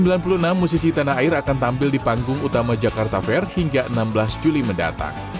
sembilan puluh enam musisi tanah air akan tampil di panggung utama jakarta fair hingga enam belas juli mendatang